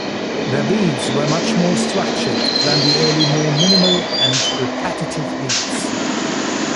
Their beats were much more structured than the early more minimal and repetitive beats.